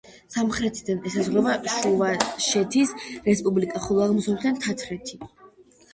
სამხრეთიდან ესაზღვრება ჩუვაშეთის რესპუბლიკა, ხოლო აღმოსავლეთიდან თათრეთი.